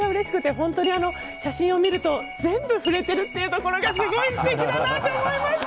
本当に写真を見ると全部触れてるっていうところがすごい素敵だなと思いました。